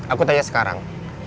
aku tanya sekarang